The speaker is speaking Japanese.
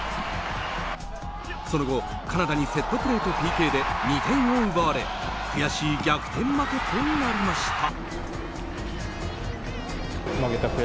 その後、カナダにセットプレーとＰＫで２点を奪われ悔しい逆転負けとなりました。